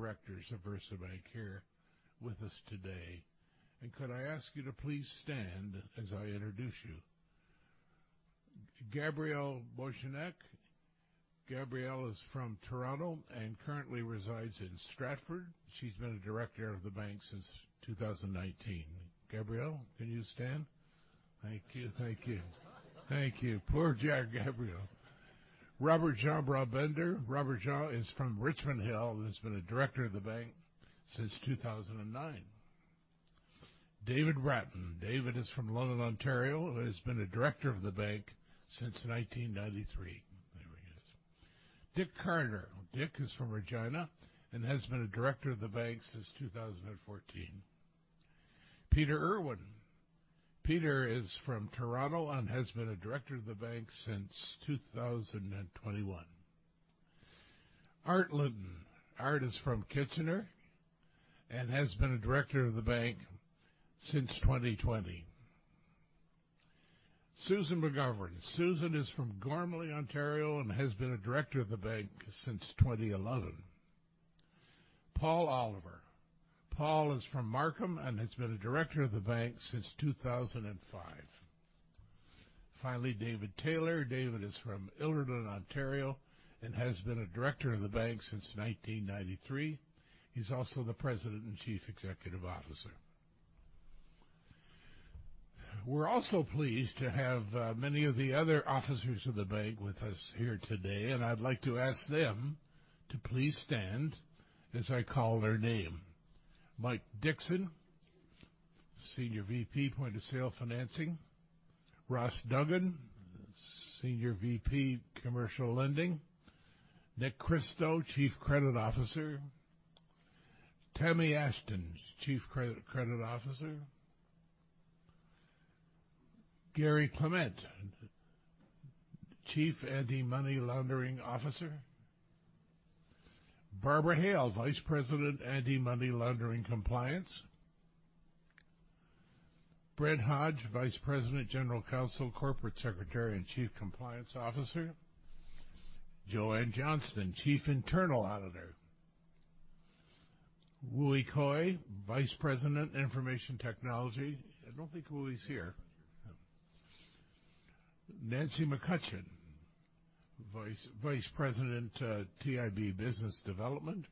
Other directors of VersaBank here with us today. Could I ask you to please stand as I introduce you? Gabrielle Bochynek. Gabrielle is from Toronto and currently resides in Stratford. She's been a director of the bank since 2019. Gabrielle, can you stand? Thank you. Poor Gabrielle. Robbert-Jan Brabander. Robbert-Jan is from Richmond Hill and has been a director of the bank since 2009. David Bratton. David is from London, Ontario, and has been a director of the bank since 1993. There he is. Dick Carter. Dick is from Regina and has been a director of the bank since 2014. Peter Irwin. Peter is from Toronto and has been a director of the bank since 2021. Art Linton. Art Linton is from Kitchener and has been a Director of the bank since 2020. Susan McGovern. Susan is from Gormley, Ontario, and has been a director of the bank since 2011. Paul Oliver. Paul is from Markham and has been a director of the bank since 2005. Finally, David Taylor. David is from Ilderton, Ontario, and has been a director of the bank since 1993. He's also the President and Chief Executive Officer. We're also pleased to have many of the other officers of the bank with us here today, and I'd like to ask them to please stand as I call their name. Mike Dixon, Senior VP, Point of Sale Financing. Ross Duggan, Senior VP, Commercial Lending. Nick Kristo, Chief Credit Officer. Tammie Ashton, Chief Risk Officer. Garry Clement, Chief Anti-Money Laundering Officer. Barbara Hale, Vice President, Anti-Money Laundering Compliance. Brent Hodge, Vice President, General Counsel, Corporate Secretary, and Chief Compliance Officer. Joanne Johnston, Chief Internal Auditor. Wooi Koay, Vice President, Information Technology. I don't think Wooi's here. Nancy McCutcheon, Vice President, TIB Business Development.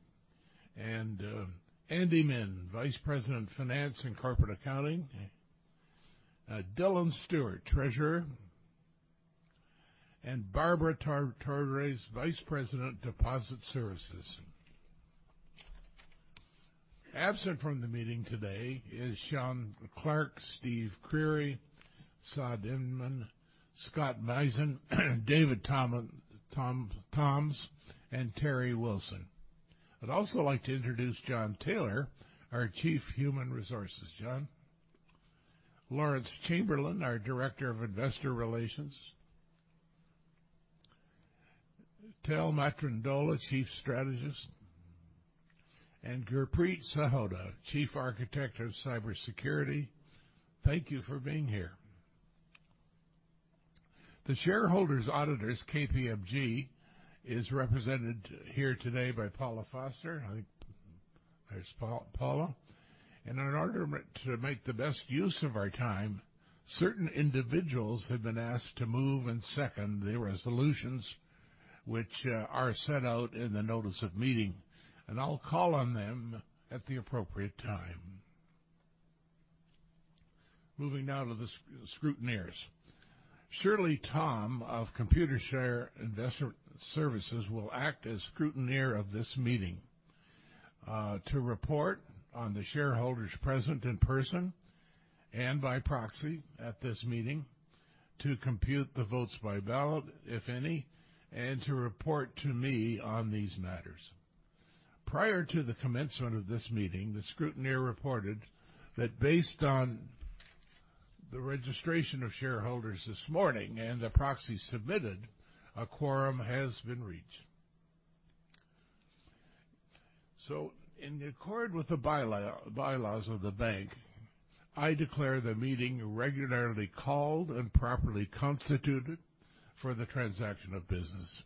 Andy Min, Vice President, Finance and Corporate Accounting. Dylan Steuart, Treasurer. Barbara Todres, Vice President, Deposit Services. Absent from the meeting today is Shawn Clarke, Steve Creery, Saad Inam, Scott Mizzen, David Thoms, and Terri Wilson. I'd also like to introduce Jonathan Taylor, our Chief Human Resources. John. Lawrence Chamberlain, our Director of Investor Relations. Tel Matrundola, Chief Strategist. Gurpreet Sahota, Chief Architect of Cybersecurity. Thank you for being here. The shareholders auditors, KPMG, is represented here today by Paula Foster. I think there's Paula. In order to make the best use of our time, certain individuals have been asked to move and second the resolutions which are set out in the notice of meeting, and I'll call on them at the appropriate time. Moving now to the scrutineers. Shirley Tom of Computershare Investor Services will act as scrutineer of this meeting, to report on the shareholders present in person and by proxy at this meeting, to compute the votes by ballot, if any, and to report to me on these matters. Prior to the commencement of this meeting, the scrutineer reported that based on the registration of shareholders this morning and the proxy submitted, a quorum has been reached. In accord with the bylaws of the bank, I declare the meeting regularly called and properly constituted for the transaction of business,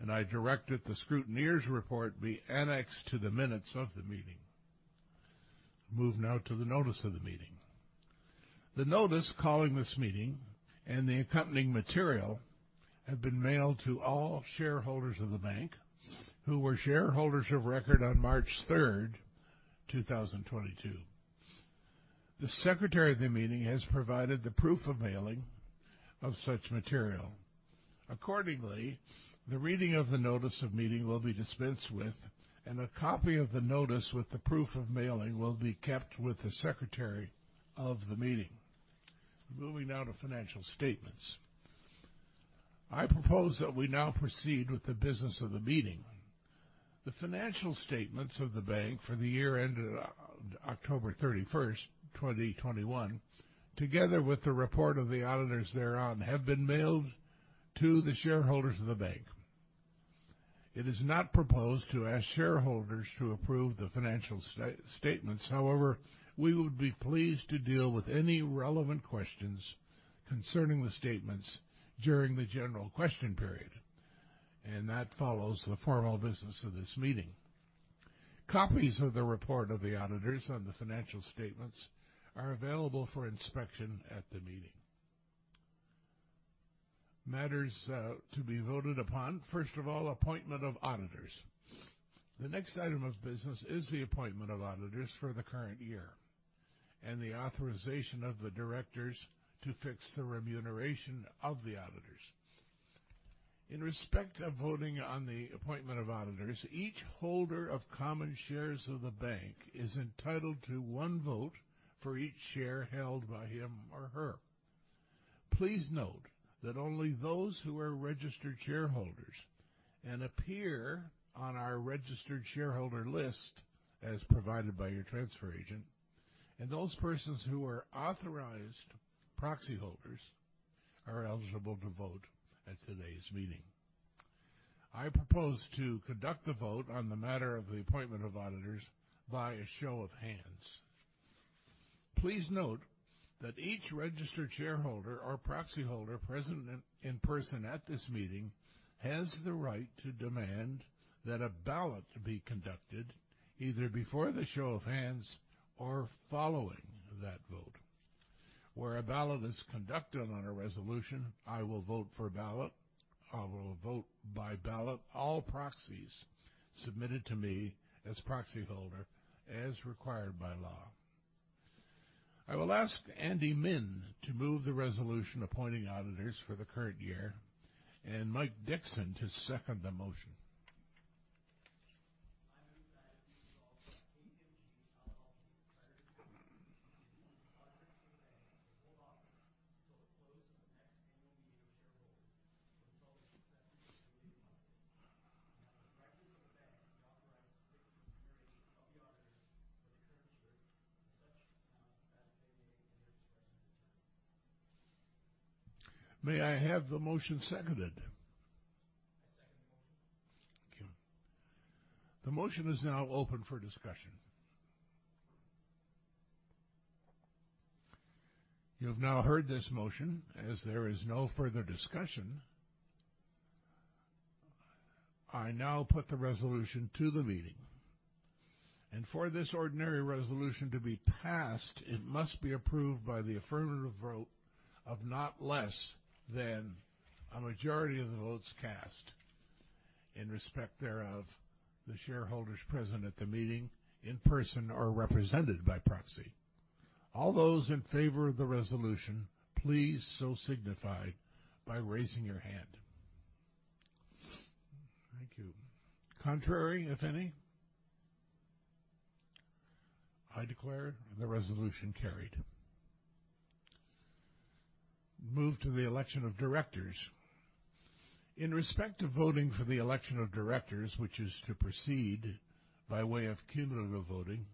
and I direct that the scrutineer's report be annexed to the minutes of the meeting. Move now to the notice of the meeting. The notice calling this meeting and the accompanying material have been mailed to all shareholders of the bank who were shareholders of record on March 3rd, 2022. The secretary of the meeting has provided the proof of mailing of such material. Accordingly, the reading of the notice of meeting will be dispensed with, and a copy of the notice with the proof of mailing will be kept with the secretary of the meeting. Moving now to financial statements. I propose that we now proceed with the business of the meeting. The financial statements of the bank for the year ended October 31st, 2021, together with the report of the auditors thereon, have been mailed to the shareholders of the bank. It is not proposed to ask shareholders to approve the financial statements. However, we would be pleased to deal with any relevant questions concerning the statements during the general question period, and that follows the formal business of this meeting. Copies of the report of the auditors on the financial statements are available for inspection at the meeting. Matters to be voted upon. First of all, appointment of auditors. The next item of business is the appointment of auditors for the current year and the authorization of the directors to fix the remuneration of the auditors. In respect of voting on the appointment of auditors, each holder of common shares of the bank is entitled to one vote for each share held by him or her. Please note that only those who are registered shareholders and appear on our registered shareholder list as provided by your transfer agent and those persons who are authorized proxy holders are eligible to vote at today's meeting. I propose to conduct the vote on the matter of the appointment of auditors via show of hands. Please note that each registered shareholder or proxy holder present in person at this meeting has the right to demand that a ballot be conducted either before the show of hands or following that vote. Where a ballot is conducted on a resolution, I will vote for a ballot. I will vote by ballot all proxies submitted to me as proxy holder as required by law. I will ask Andy Min to move the resolution appointing auditors for the current year and Mike Dixon to second the motion. I move that we resolve that KPMG LLP, auditors for the bank, to hold office until the close of the next annual meeting of shareholders and to result in successive yearly audits. That the directors of the bank be authorized to fix the remuneration of the auditors for the current year to such amount as they may, in their discretion, determine. May I have the motion seconded? I second the motion. Thank you. The motion is now open for discussion. You've now heard this motion. As there is no further discussion, I now put the resolution to the meeting. For this ordinary resolution to be passed, it must be approved by the affirmative vote of not less than a majority of the votes cast. In respect thereof, the shareholders present at the meeting in person are represented by proxy. All those in favor of the resolution, please so signify by raising your hand. Thank you. Contrary, if any? I declare the resolution carried. Move to the election of directors. In respect to voting for the election of directors, which is to proceed by way of cumulative voting,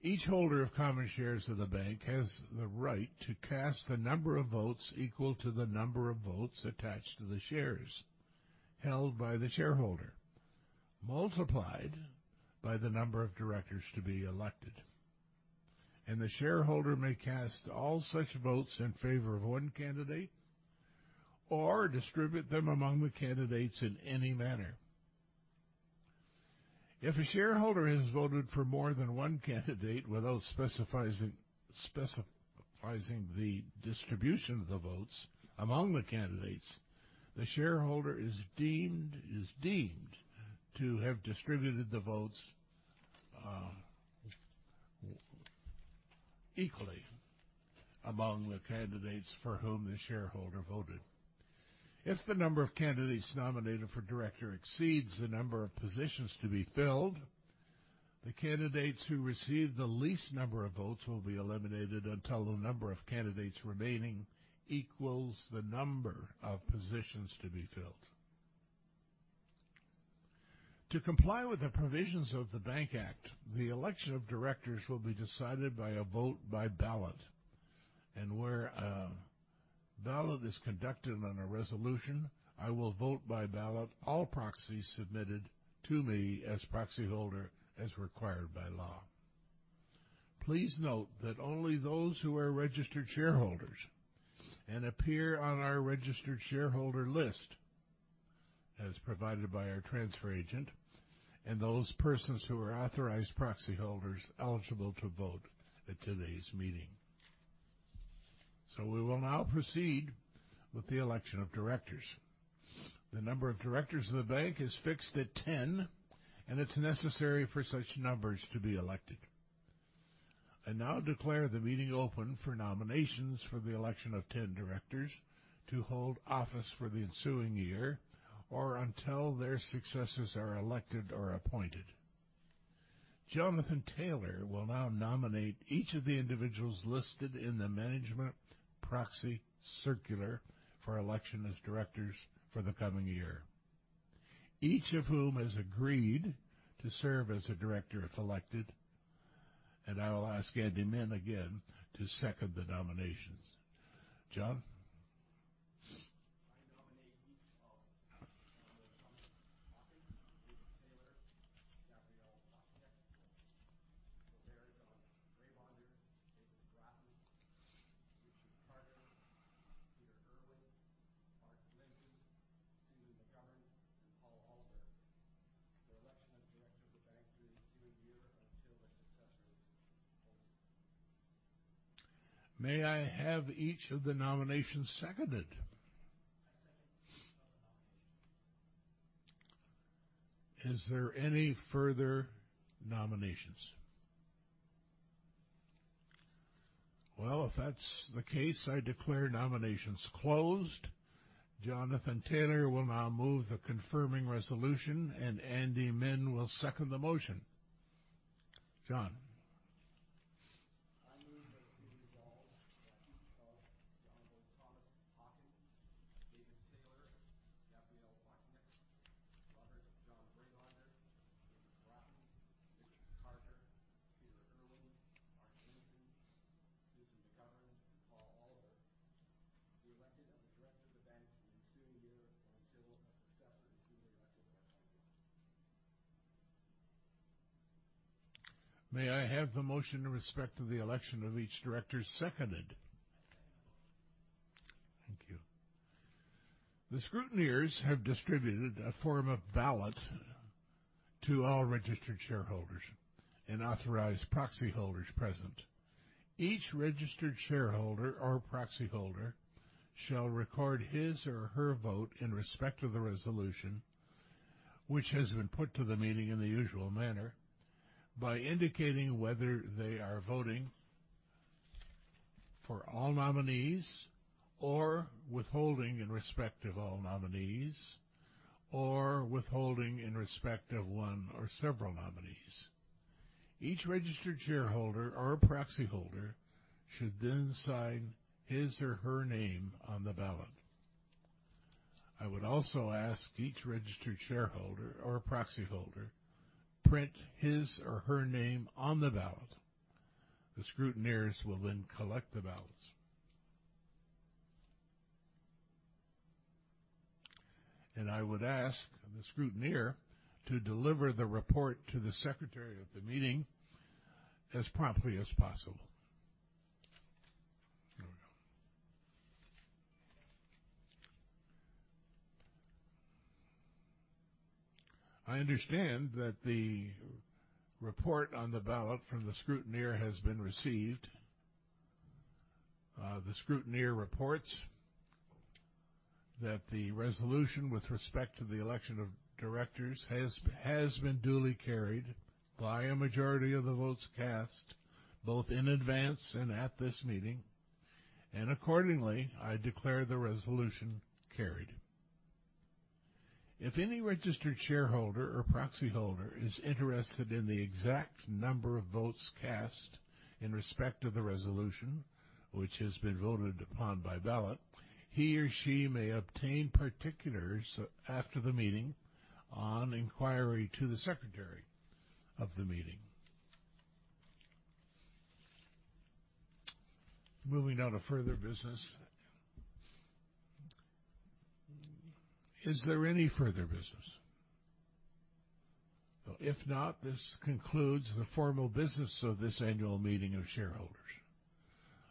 each holder of common shares of the bank has the right to cast the number of votes equal to the number of votes attached to the shares held by the shareholder, multiplied by the number of directors to be elected. The shareholder may cast all such votes in favor of one candidate or distribute them among the candidates in any manner. If a shareholder has voted for more than one candidate without specifying the distribution of the votes among the candidates, the shareholder is deemed to have distributed the votes equally among the candidates for whom the shareholder voted. If the number of candidates nominated for director exceeds the number of positions to be filled, the candidates who receive the least number of votes will be eliminated until the number of candidates remaining equals the number of positions to be filled. To comply with the provisions of the Bank Act, the election of directors will be decided by a vote by ballot. Where a ballot is conducted on a resolution, I will vote by ballot all proxies submitted to me as proxy holder, as required by law. Please note that only those who are registered shareholders and appear on our registered shareholder list, as provided by our transfer agent, and those persons who are authorized proxy holders eligible to vote at today's meeting. We will now proceed with the election of directors. The number of directors of the bank is fixed at 10, and it's necessary for such numbers to be elected. I now declare the meeting open for nominations for the election of 10 directors to hold office for the ensuing year or until their successors are elected or appointed. Jonathan Taylor will now nominate each of the individuals listed in the management proxy circular for election as directors for the coming year, each of whom has agreed to serve as a director if elected. I will ask Andy Min again to second the nominations. Jon? I nominate each of the following, David Taylor, Gabrielle Bochynek, Robbert-Jan Brabander, David Bratton, Peter Irwin, Susan McGovern, and Paul Oliver. The election of director of the bank for the ensuing year until their successors are chosen. May I have each of the nominations seconded? I second each of the nominations. Is there any further nominations? Well, if that's the case, I declare nominations closed. Jonathan Taylor will now move the confirming resolution, and Andy Min will second the motion. Jon. I move that the meeting resolve that each of John Paul Thomas Hockin, David Taylor, Gabrielle Bochynek, Robbert-Jan Brabander, David Bratton, Richard Carter, Peter Irwin, Art Linton, Susan McGovern, and Paul Oliver be elected as a director of the bank for the ensuing year until their successors have been elected by the shareholders. May I have the motion in respect to the election of each director seconded? I second the motion. Thank you. The scrutineers have distributed a form of ballot to all registered shareholders and authorized proxy holders present. Each registered shareholder or proxy holder shall record his or her vote in respect to the resolution, which has been put to the meeting in the usual manner by indicating whether they are voting for all nominees or withholding in respect of all nominees or withholding in respect of one or several nominees. Each registered shareholder or proxy holder should then sign his or her name on the ballot. I would also ask each registered shareholder or proxy holder print his or her name on the ballot. The scrutineers will then collect the ballots. I would ask the scrutineer to deliver the report to the secretary of the meeting as promptly as possible. There we go. I understand that the report on the ballot from the scrutineer has been received. The scrutineer reports that the resolution with respect to the election of directors has been duly carried by a majority of the votes cast, both in advance and at this meeting. Accordingly, I declare the resolution carried. If any registered shareholder or proxy holder is interested in the exact number of votes cast in respect to the resolution, which has been voted upon by ballot, he or she may obtain particulars after the meeting on inquiry to the Secretary of the meeting. Moving on to further business. Is there any further business? If not, this concludes the formal business of this annual meeting of shareholders.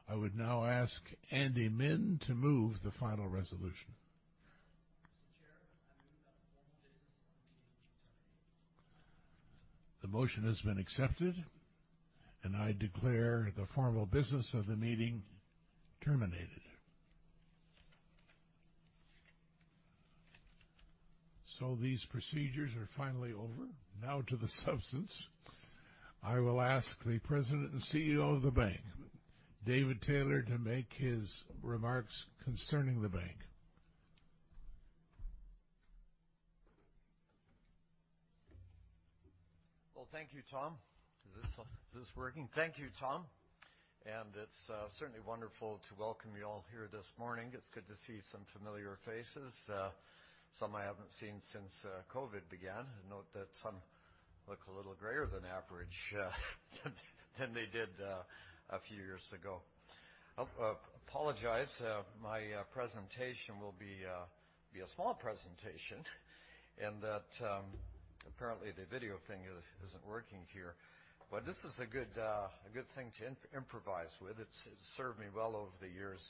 I would now ask Andy Min to move the final resolution. Mr. Chair, I move that the formal business of the meeting be terminated. The motion has been accepted, and I declare the formal business of the meeting terminated. These procedures are finally over. Now to the substance. I will ask the President and CEO of the bank, David Taylor, to make his remarks concerning the bank. Well, thank you, Tom. Is this working? Thank you, Tom. It's certainly wonderful to welcome you all here this morning. It's good to see some familiar faces. Some I haven't seen since COVID began, and note that some look a little grayer than average than they did a few years ago. I apologize. My presentation will be a small presentation in that apparently the video thing isn't working here. But this is a good thing to improvise with. It's served me well over the years.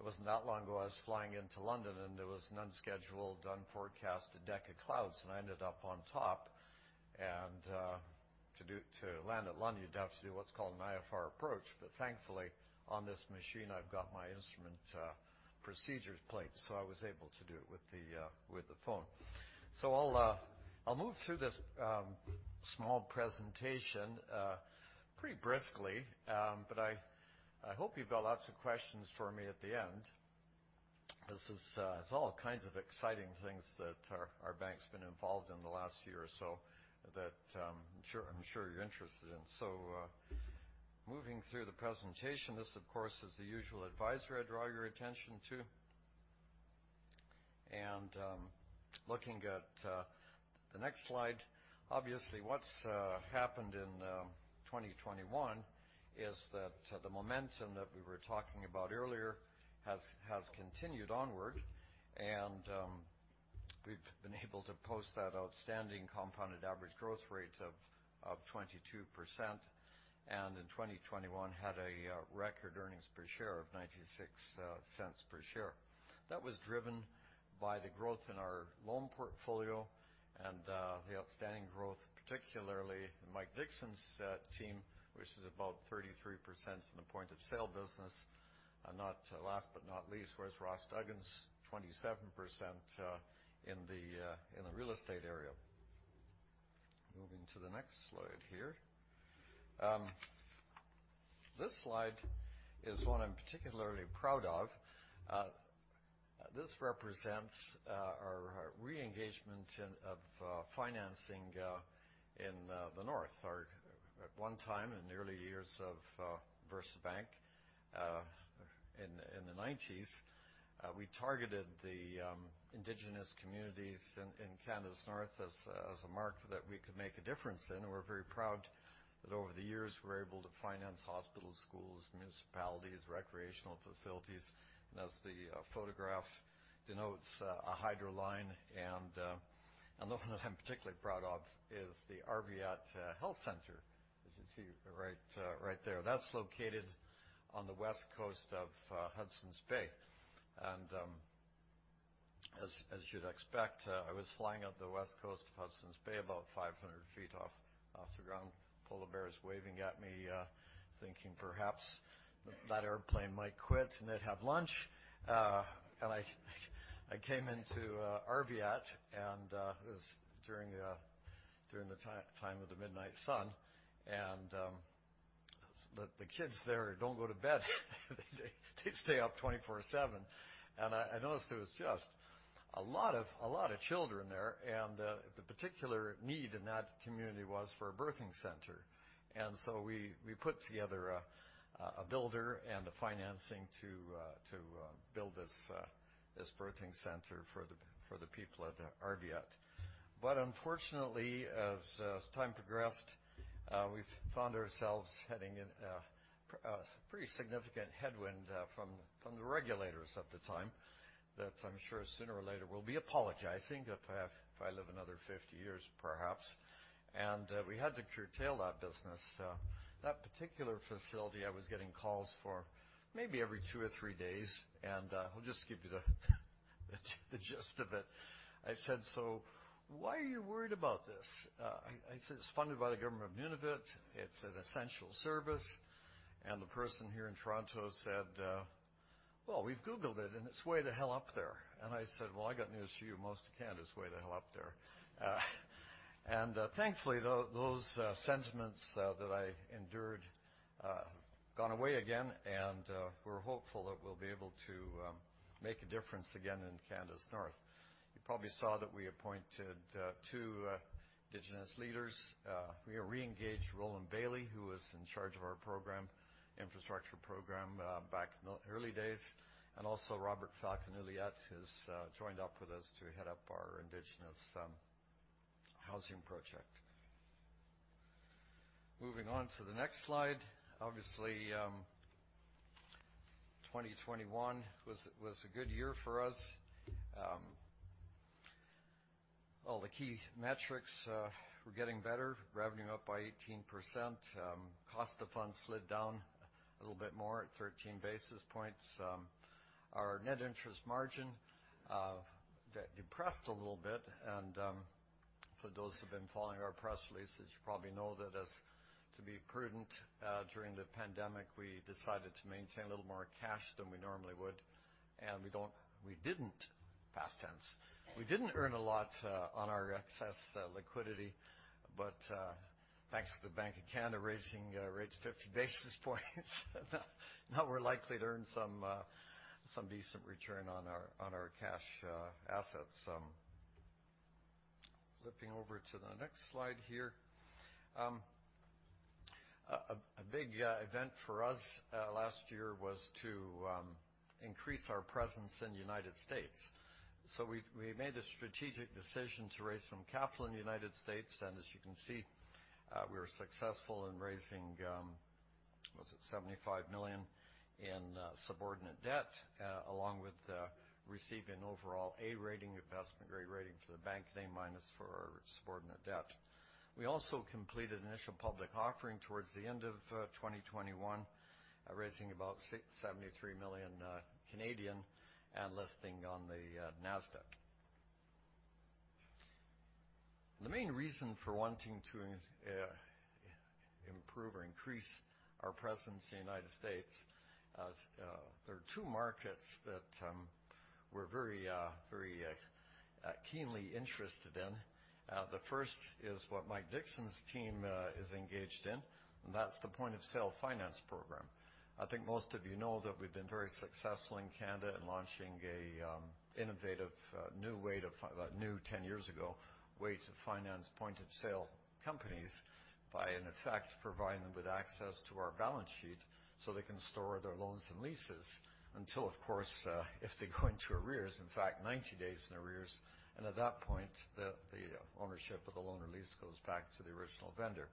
It wasn't that long ago, I was flying into London, and there was an unscheduled unforecast deck of clouds, and I ended up on top. To land at London, you'd have to do what's called an IFR approach. Thankfully, on this machine, I've got my instrument procedures plate, so I was able to do it with the phone. I'll move through this small presentation pretty briskly. I hope you've got lots of questions for me at the end. This is all kinds of exciting things that our bank's been involved in the last year or so that I'm sure you're interested in. Moving through the presentation, this, of course, is the usual advisory I draw your attention to. Looking at the next slide, obviously what's happened in 2021 is that the momentum that we were talking about earlier has continued onward. We've been able to post outstanding compounded average growth rates of 22%, and in 2021 had a record earnings per share of 0.96 per share. That was driven by the growth in our loan portfolio and the outstanding growth, particularly Mike Dixon's team, which is about 33% in the point of sale business. Last but not least, was Ross Duggan's 27% in the real estate area. Moving to the next slide here. This slide is one I'm particularly proud of. This represents our re-engagement of financing in the north. At one time, in the early years of VersaBank, in the nineties, we targeted the indigenous communities in Canada's North as a market that we could make a difference in. We're very proud that over the years we're able to finance hospitals, schools, municipalities, recreational facilities. As the photograph denotes, a hydro line and the one that I'm particularly proud of is the Arviat Health Centre, as you see right there. That's located on the west coast of Hudson's Bay. As you'd expect, I was flying up the west coast of Hudson's Bay about 500 ft off the ground. Polar bears waving at me, thinking perhaps that airplane might quit and they'd have lunch. I came into Arviat and it was during the time of the midnight sun. The kids there don't go to bed. They stay up 24/7. I noticed there was just a lot of children there. The particular need in that community was for a birthing center. We put together a builder and the financing to build this birthing center for the people at Arviat. But unfortunately, as time progressed, we've found ourselves heading in a pretty significant headwind from the regulators of the time. That I'm sure sooner or later will be apologizing, if I live another 50 years, perhaps. We had to curtail that business. That particular facility, I was getting calls for maybe every two or three days. I'll just give you the gist of it. I said, "So why are you worried about this?" I said, "It's funded by the Government of Nunavut. It's an essential service." The person here in Toronto said, "Well, we've Googled it, and it's way the hell up there." I said, "Well, I got news for you. Most of Canada's way the hell up there." Thankfully, those sentiments that I endured have gone away again. We're hopeful that we'll be able to make a difference again in Canada's North. You probably saw that we appointed two indigenous leaders. We re-engaged Roland Bailey, who was in charge of our infrastructure program back in the early days. Robert-Falcon Ouellette has joined up with us to head up our Indigenous housing project. Moving on to the next slide. Obviously, 2021 was a good year for us. All the key metrics were getting better. Revenue up by 18%. Cost of funds slid down a little bit more at 13 basis points. Our net interest margin depressed a little bit. For those who've been following our press releases, you probably know that in order to be prudent during the pandemic, we decided to maintain a little more cash than we normally would. We didn't earn a lot on our excess liquidity. Thanks to the Bank of Canada raising rates 50 basis points, now we're likely to earn some decent return on our cash assets. Flipping over to the next slide here. A big event for us last year was to increase our presence in the United States. We made the strategic decision to raise some capital in the United States. As you can see, we were successful in raising was it 75 million in subordinate debt along with receiving an overall A rating, investment grade rating for the bank, and A- for our subordinate debt. We also completed an initial public offering towards the end of 2021, raising about 73 million Canadian and listing on the Nasdaq. The main reason for wanting to improve or increase our presence in the United States is that there are two markets that we're very keenly interested in. The first is what Mike Dixon's team is engaged in, and that's the point of sale finance program. I think most of you know that we've been very successful in Canada in launching a innovative new ways to finance point of sale companies 10 years ago by, in effect, providing them with access to our balance sheet so they can store their loans and leases until, of course, if they go into arrears. In fact, 90 days in arrears, and at that the ownership of the loan or lease goes back to the original vendor.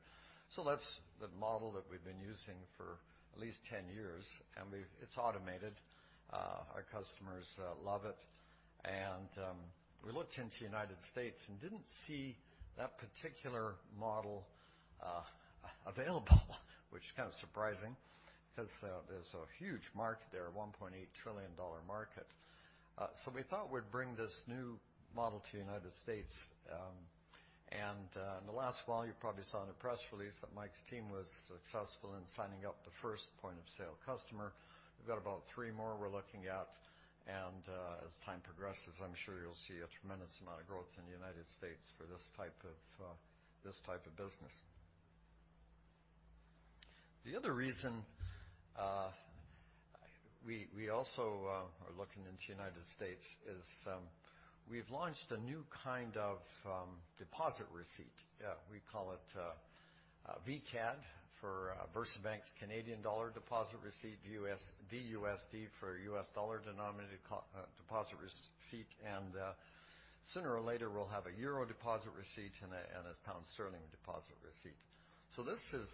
That's the model that we've been using for at least 10 years, and it's automated. Our customers love it. We looked into United States and didn't see that particular model available, which is kind of surprising 'cause there's a huge market there, $1.8 trillion market. We thought we'd bring this new model to United States. In the last while, you probably saw in the press release that Mike's team was successful in signing up the first point of sale customer. We've got about three more we're looking at. As time progresses, I'm sure you'll see a tremendous amount of growth in the United States for this type of business. The other reason we also are looking into United States is we've launched a new kind of deposit receipt. We call it VCAD for VersaBank's Canadian dollar deposit receipt, VUSD for U.S. dollar-denominated deposit receipt. Sooner or later, we'll have a euro deposit receipt and a pound sterling deposit receipt. This is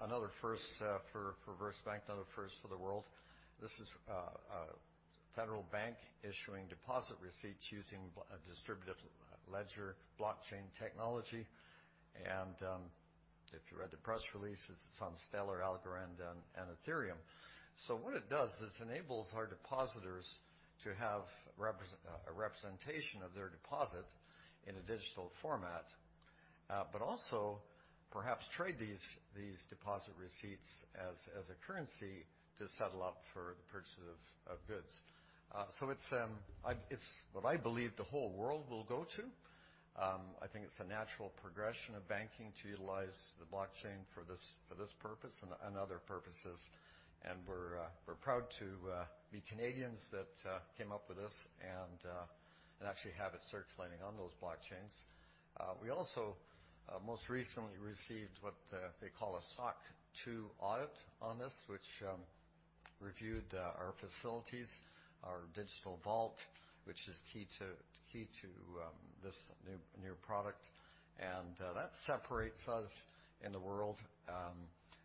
another first for VersaBank, another first for the world. This is a federal bank issuing deposit receipts using a distributed ledger blockchain technology. If you read the press releases, it's on Stellar, Algorand, and Ethereum. What it does is enables our depositors to have a representation of their deposit in a digital format, but also perhaps trade these deposit receipts as a currency to settle up for the purchase of goods. It's what I believe the whole world will go to. I think it's a natural progression of banking to utilize the blockchain for this purpose and other purposes. We're proud to be Canadians that came up with this and actually have it circulating on those blockchains. We also most recently received what they call a SOC 2 audit on this, which reviewed our facilities, our digital vault, which is key to this new product. That separates us in the world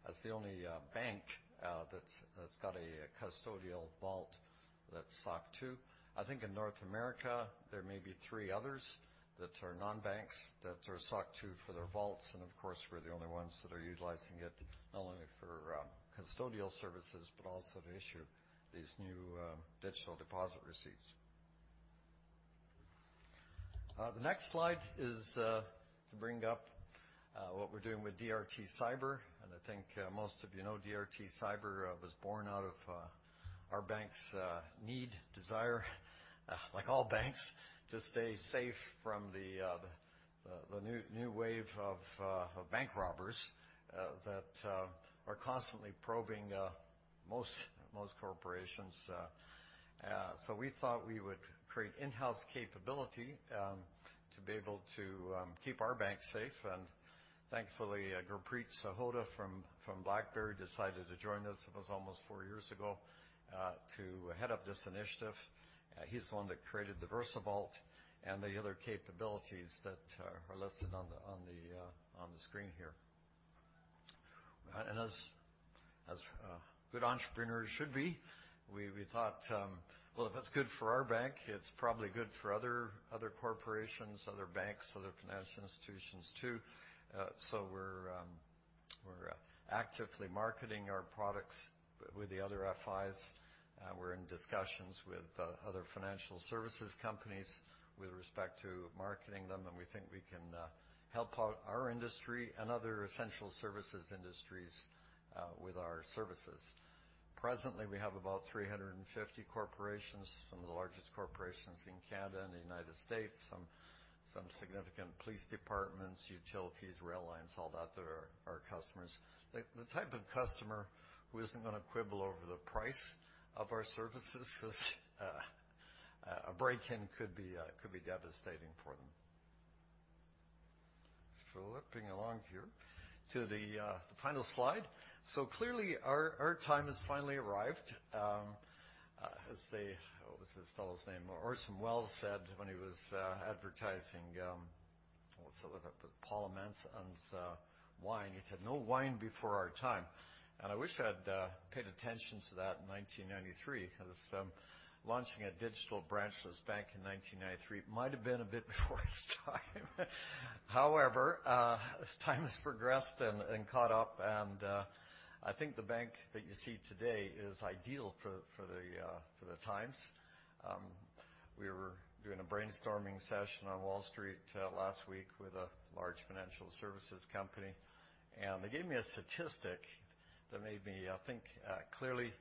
as the only bank that's got a custodial vault that's SOC 2. I think in North America, there may be three others that are non-banks that are SOC 2 for their vaults. Of course, we're the only ones that are utilizing it not only for custodial services but also to issue these new digital deposit receipts. The next slide is to bring up what we're doing with DRT Cyber. I think most of you know DRT Cyber was born out of our bank's need, desire, like all banks, to stay safe from the new wave of bank robbers that are constantly probing most corporations. We thought we would create in-house capability to be able to keep our bank safe. Thankfully, Gurpreet Sahota from BlackBerry decided to join us almost four years ago to head up this initiative. He's the one that created the VersaVault and the other capabilities that are listed on the screen here. As good entrepreneurs should be, we thought, well, if it's good for our bank, it's probably good for other corporations, other banks, other financial institutions too. We're actively marketing our products with the other FIs. We're in discussions with other financial services companies with respect to marketing them, and we think we can help out our industry and other essential services industries with our services. Presently, we have about 350 corporations, some of the largest corporations in Canada and the United States, some significant police departments, utilities, rail lines, all that. They're our customers. The type of customer who isn't gonna quibble over the price of our services 'cause a break-in could be devastating for them. Flipping along here to the final slide. So clearly our time has finally arrived. What was this fella's name? Orson Welles said when he was advertising, what's it? Paul Masson's wine. He said, "No wine before our time." I wish I had paid attention to that in 1993, 'cause launching a digital branchless bank in 1993 might have been a bit before its time. However, as time has progressed and caught up, I think the bank that you see today is ideal for the times. We were doing a brainstorming session on Wall Street last week with a large financial services company, and they gave me a statistic that made me, I think, clearly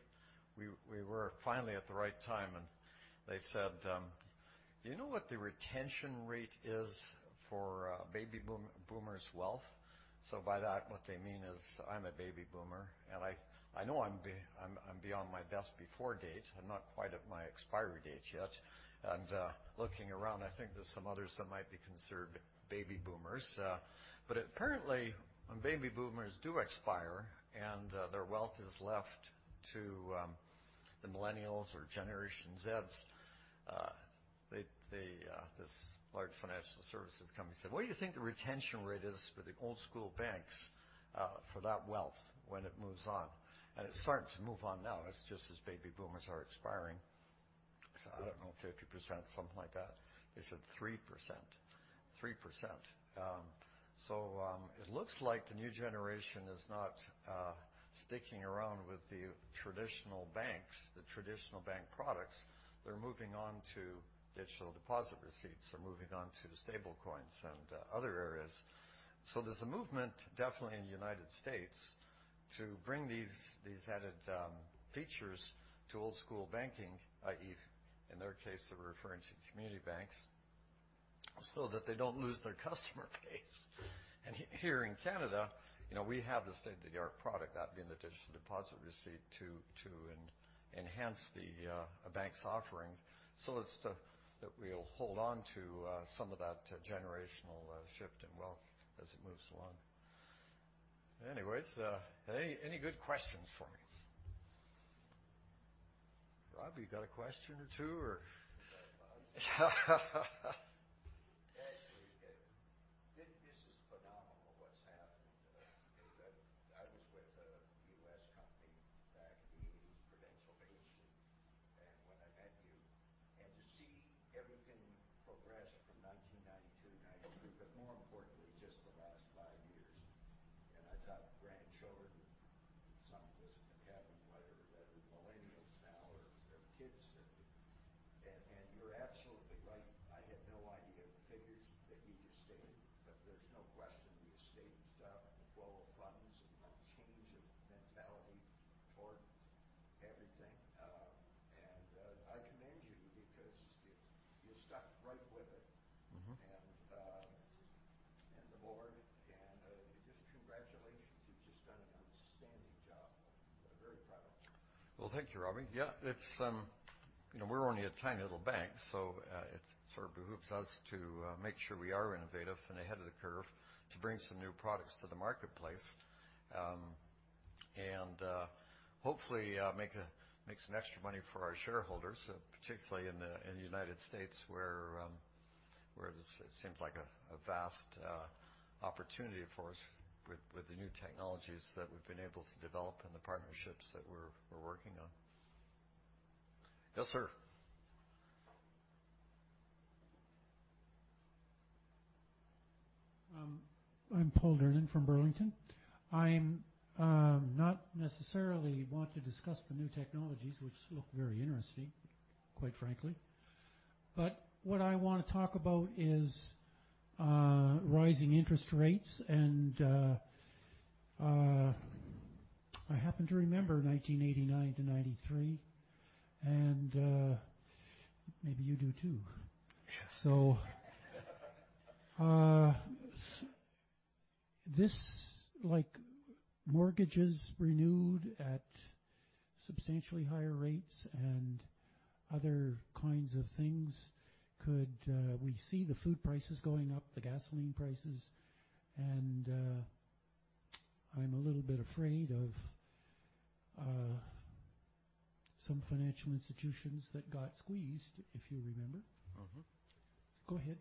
we were finally at the right time. They said, "Do you know what the retention rate is for baby boomers' wealth?" By that, what they mean is I'm a baby boomer, and I know I'm beyond my best before date. I'm not quite at my expiry date yet. Looking around, I think there's some others that might be considered baby boomers. Apparently, when baby boomers do expire and their wealth is left to the millennials or Generation Zs, they, this large financial services company said, "What do you think the retention rate is for the old school banks for that wealth when it moves on? It's starting to move on now. It's just as baby boomers are expiring." I said, "I don't know, 50%, something like that." They said 3%. 3%. It looks like the new generation is not sticking around with the traditional banks, the traditional bank products. They're moving on to digital deposit receipts. They're moving on to stablecoins and other areas. There's a movement definitely in the United States to bring these added features to old school banking, i.e., in their case, they're referring to community banks, so that they don't lose their customer base. Here in Canada, you know, we have the state-of-the-art product, that being the digital deposit receipt, to enhance a bank's offering so as to thank you, Robbie. Yeah, it's, you know, we're only a tiny little bank, so it sort of behooves us to make sure we are innovative and ahead of the curve to bring some new products to the marketplace. Hopefully, make some extra money for our shareholders, particularly in the United States, where this it seems like a vast opportunity for us with the new technologies that we've been able to develop and the partnerships that we're working on. Yes, sir. I'm Paul Durnin from Burlington. I don't necessarily want to discuss the new technologies, which look very interesting, quite frankly. What I wanna talk about is rising interest rates. I happen to remember 1989-1993, and maybe you do too. Yeah. This like mortgages renewed at substantially higher rates and other kinds of things. Could we see the food prices going up, the gasoline prices, and I'm a little bit afraid of some financial institutions that got squeezed, if you remember. Mm-hmm. Go ahead.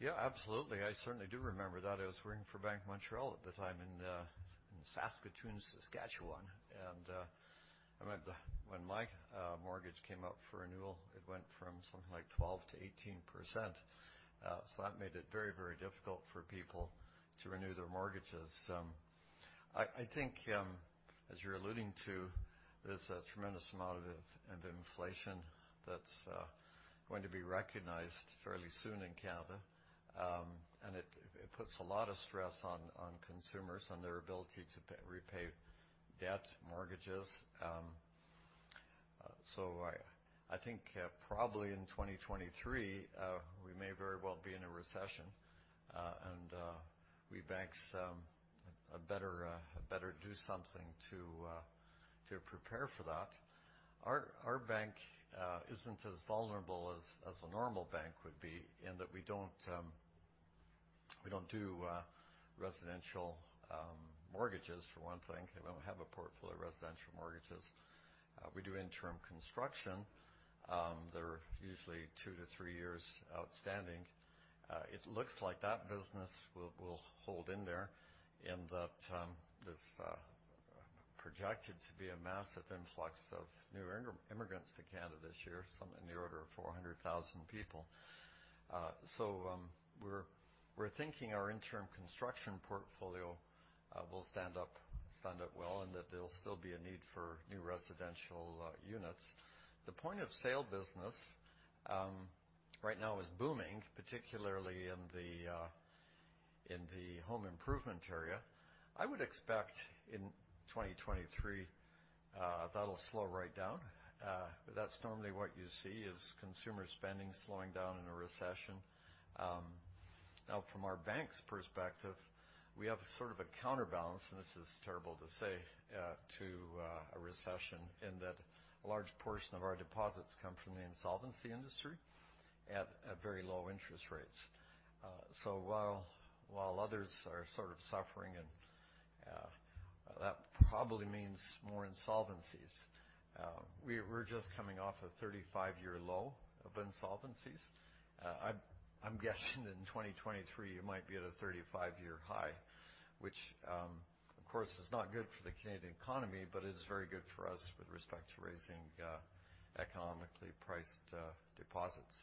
Yeah, absolutely. I certainly do remember that. I was working for Bank of Montreal at the time in Saskatoon, Saskatchewan. I remember when my mortgage came up for renewal, it went from something like 12%-18%. That made it very, very difficult for people to renew their mortgages. I think as you're alluding to, there's a tremendous amount of inflation that's going to be recognized fairly soon in Canada. It puts a lot of stress on consumers on their ability to repay debt, mortgages. I think probably in 2023 we may very well be in a recession. We banks better do something to prepare for that. Our bank isn't as vulnerable as a normal bank would be in that we don't do residential mortgages, for one thing. We don't have a portfolio of residential mortgages. We do interim construction. They're usually two to three years outstanding. It looks like that business will hold in there in that this is projected to be a massive influx of new immigrants to Canada this year, some in the order of 400,000 people. We're thinking our interim construction portfolio will stand up well, and that there'll be a need for new residential units. The point of sale business right now is booming, particularly in the home improvement area. I would expect in 2023, that'll slow right down. That's normally what you see is consumer spending slowing down in a recession. Now from our bank's perspective, we have sort of a counterbalance, and this is terrible to say, to a recession, in that a large portion of our deposits come from the insolvency industry at very low interest rates. While others are sort of suffering and yeah. That probably means more insolvencies. We're just coming off a 35-year low of insolvencies. I'm guessing in 2023 it might be at a 35-year high, which, of course, is not good for the Canadian economy, but it is very good for us with respect to raising, economically priced, deposits.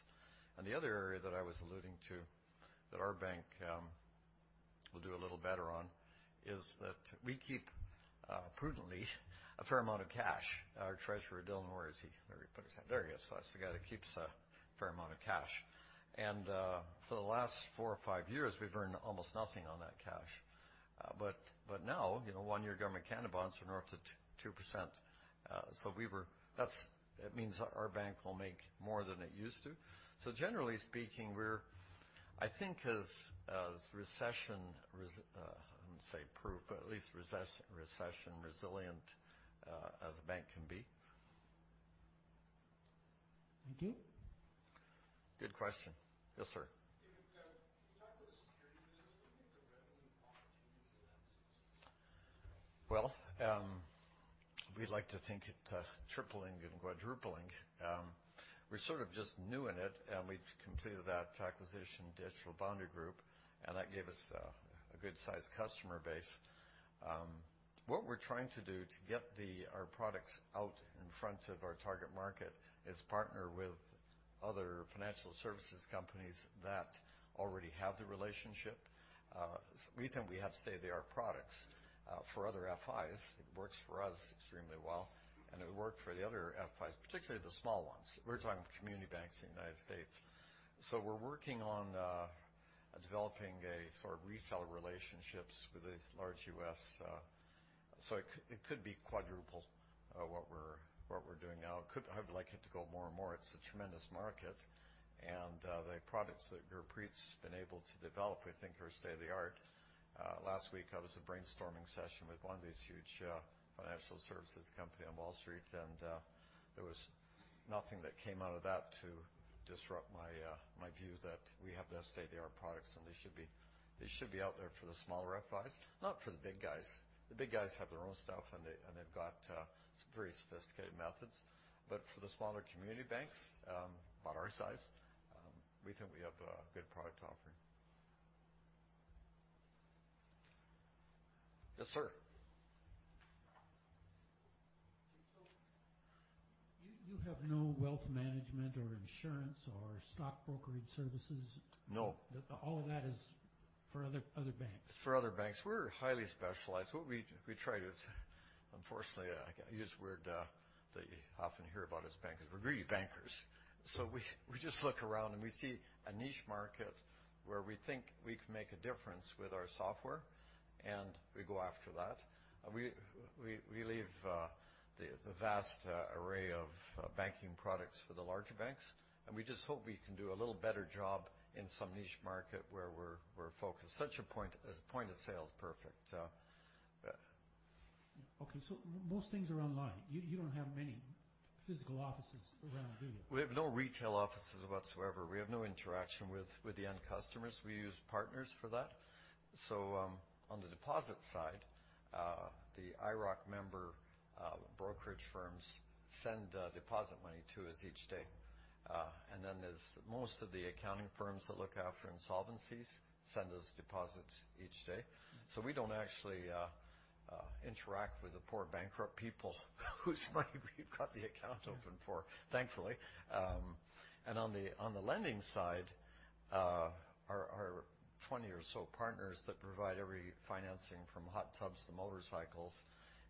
The other area that I was alluding to that our bank will do a little better on is that we keep prudently a fair amount of cash. Our Treasurer, Dylan, where is he? Where'd he put his hand? There he is. That's the guy that keeps a fair amount of cash. For the last four or five years, we've earned almost nothing on that cash. But now, you know, one-year Government of Canada bonds are north of 2%. It means our bank will make more than it used to. Generally speaking, we're I think as recession resilient as a bank can be. Thank you. Good question. Yes, sir. David, can you talk about the security business? What do you think the revenue opportunity for that business is? Well, we'd like to think it tripling and quadrupling. We're sort of just new in it, and we've completed that acquisition, Digital Boundary Group, and that gave us a good sized customer base. What we're trying to do to get our products out in front of our target market is partner with other financial services companies that already have the relationship. We think we have state-of-the-art products for other FIs. It works for us extremely well, and it'll work for the other FIs, particularly the small ones. We're talking community banks in the United States. We're working on developing a sort of reseller relationships with a large U.S. It could be quadruple what we're doing now. I would like it to go more and more. It's a tremendous market. The products that Gurpreet's been able to develop, we think are state-of-the-art. Last week I was at a brainstorming session with one of these huge financial services company on Wall Street, and there was nothing that came out of that to disrupt my view that we have the state-of-the-art products and they should be out there for the smaller FIs, not for the big guys. The big guys have their own stuff, and they've got very sophisticated methods. For the smaller community banks about our size, we think we have a good product offering. Yes, sir. You have no wealth management or insurance or stock brokerage services? No. All of that is for other banks? It's for other banks. We're highly specialized. What we try to. Unfortunately, I use a word that you often hear about as bankers. We're greedy bankers. We just look around and we see a niche market where we think we can make a difference with our software, and we go after that. We leave the vast array of banking products for the larger banks, and we just hope we can do a little better job in some niche market where we're focused. Such a point-of-sale is perfect. Okay. Most things are online. You don't have many physical offices around, do you? We have no retail offices whatsoever. We have no interaction with the end customers. We use partners for that. On the deposit side, the IIROC member brokerage firms send deposit money to us each day. And then there's most of the accounting firms that look after insolvencies send us deposits each day. We don't actually interact with the poor bankrupt people whose money we've got the account open for, thankfully. On the lending side, our 20 or so partners that provide every financing from hot tubs to motorcycles,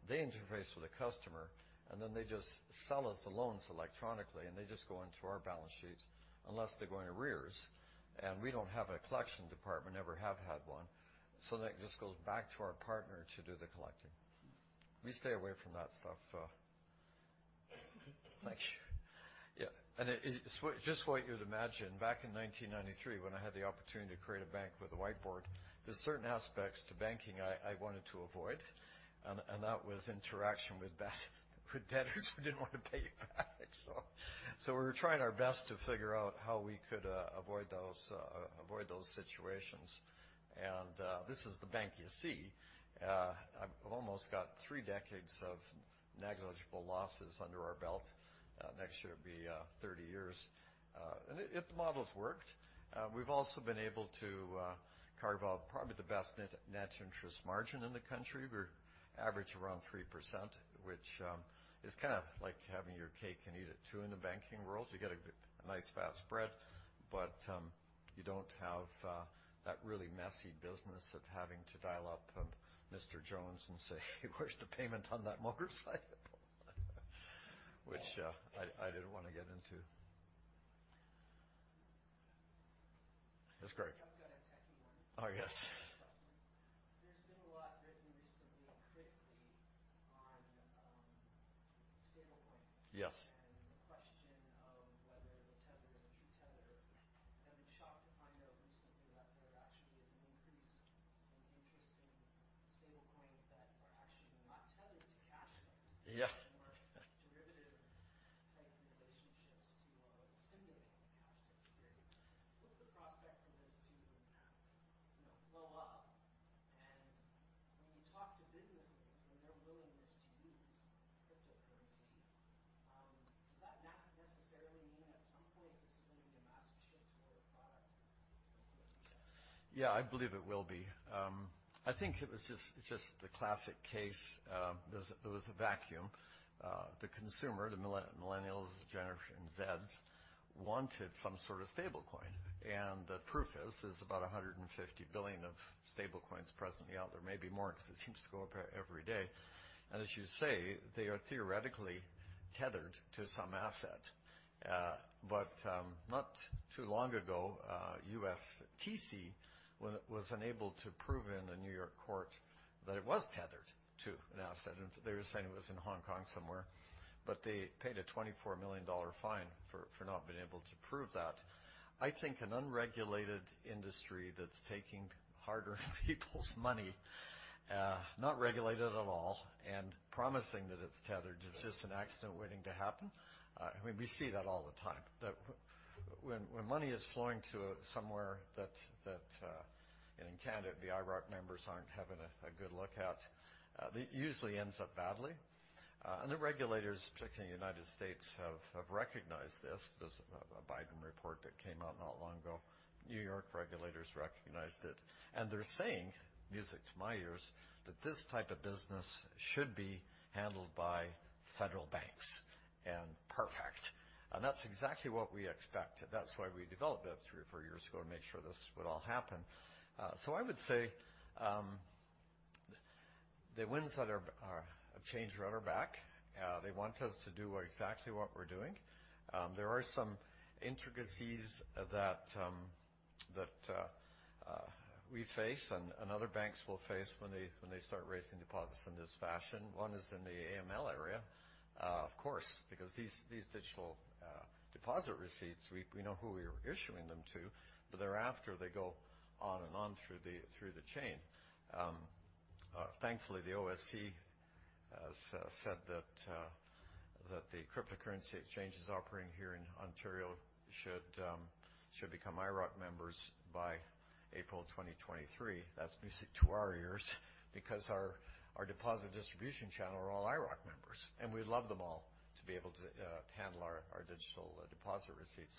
they interface with the customer, and then they just sell us the loans electronically, and they just go into our balance sheets unless they go into arrears. We don't have a collection department, never have had one. That just goes back to our partner to do the collecting. We stay away from that stuff. Thank you. Yeah. It's just what you would imagine. Back in 1993, when I had the opportunity to create a bank with a whiteboard, there's certain aspects to banking I wanted to avoid. That was interaction with debtors who didn't wanna pay you back. We were trying our best to figure out how we could avoid those situations. This is the bank you see. I've almost got three decades of negligible losses under our belt. Next year, it'll be 30 years. The model's worked. We've also been able to carve out probably the best net interest margin in the country. We're average around 3%, which is kinda like having your cake and eat it too in the banking world. You get a nice fat spread, but you don't have that really messy business of having to dial up Mr. Jones and say, "Where's the payment on that motorcycle?" Which I didn't wanna get into. Yes, Greg. I've got a techie one. Oh, yes. There's been a lot written recently critically on stablecoins. Yes. The question of whether the Tether is a true Tether. I've been shocked to find out recently that there actually is an increase in interest in stablecoins that are actually not tethered to cash flows. Yeah. For this to, you know, blow up. When you talk to businesses and their willingness to use cryptocurrency, does that necessarily mean at some point this is gonna be a massive shift toward a product of? Yeah, I believe it will be. I think it was just the classic case. There was a vacuum. The consumer, the millennials Gen Z's wanted some sort of stablecoin. The proof is about $150 billion of stablecoins presently out there. Maybe more, 'cause it seems to go up every day. As you say, they are theoretically tethered to some asset. But not too long ago, USTC was unable to prove in a New York court that it was tethered to an asset. They were saying it was in Hong Kong somewhere, but they paid a $24 million fine for not being able to prove that. I think an unregulated industry that's taking hard-earned people's money, not regulated at all and promising that it's tethered is just an accident waiting to happen. I mean, we see that all the time. That when money is flowing to somewhere that in Canada, the IIROC members aren't having a good look at, it usually ends up badly. The regulators, particularly in the United States, have recognized this. There's a Biden report that came out not long ago. New York regulators recognized it, and they're saying, music to my ears, that this type of business should be handled by federal banks and perfect. That's exactly what we expect. That's why we developed it three or four years ago to make sure this would all happen. I would say the winds that are changed are at our back. They want us to do exactly what we're doing. There are some intricacies that we face and other banks will face when they start raising deposits in this fashion. One is in the AML area. Of course, because these digital deposit receipts, we know who we're issuing them to, but thereafter, they go on and on through the chain. Thankfully, the OSC has said that the cryptocurrency exchanges operating here in Ontario should become IIROC members by April 2023. That's music to our ears because our deposit distribution channel are all IIROC members, and we'd love them all to be able to handle our digital deposit receipts.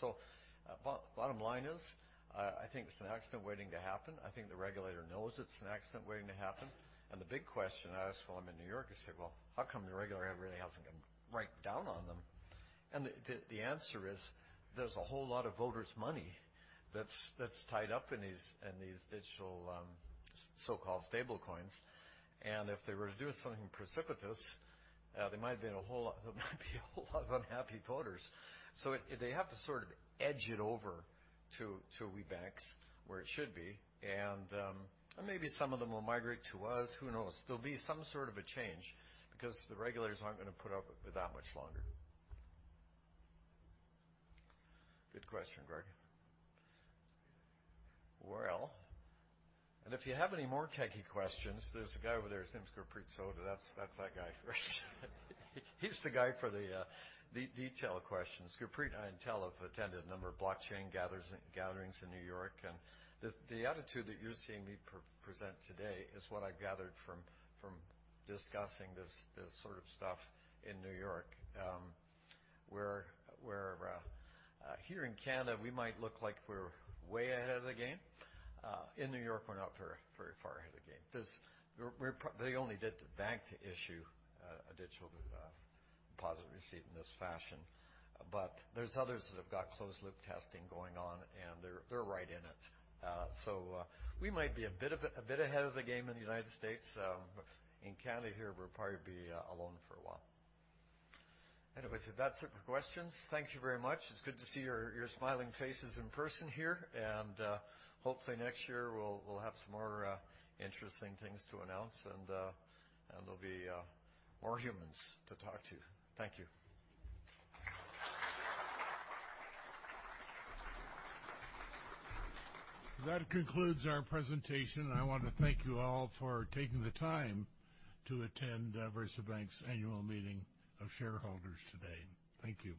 Bottom line is, I think it's an accident waiting to happen. I think the regulator knows it's an accident waiting to happen. The big question I ask while I'm in New York is, I say, "Well, how come the regulator really hasn't come right down on them?" The answer is, there's a whole lot of investors' money that's tied up in these digital, so-called stable coins. If they were to do something precipitous, there might be a whole lot of unhappy investors. They have to sort of edge it over to the banks where it should be. Maybe some of them will migrate to us. Who knows? There'll be some sort of a change because the regulators aren't gonna put up with that much longer. Good question, Greg. Well, if you have any more techie questions, there's a guy over there, his name's Gurpreet Sahota. That's that guy first. He's the guy for the detail questions. Gurpreet and I and Tel have attended a number of blockchain gatherings in New York. The attitude that you're seeing me present today is what I've gathered from discussing this sort of stuff in New York. Whereas here in Canada, we might look like we're way ahead of the game. In New York, we're not very far ahead of the game. 'Cause they only get the bank to issue a digital deposit receipt in this fashion. But there's others that have got closed loop testing going on, and they're right in it. We might be a bit ahead of the game in the United States. In Canada here, we'll probably be alone for a while. Anyways, if that's it for questions, thank you very much. It's good to see your smiling faces in person here, and hopefully next year we'll have some more interesting things to announce and there'll be more humans to talk to. Thank you. That concludes our presentation, and I want to thank you all for taking the time to attend VersaBank's annual meeting of shareholders today. Thank you.